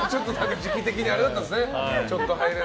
時期的にあれだったんですね。